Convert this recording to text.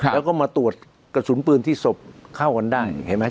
แล้วก็มาตรวจกระสุนปืนที่ศพเข้ากันได้เห็นไหม